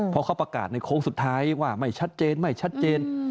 พอเขาประกาศในโค้งสุดท้ายว่าไม่ชัดเจน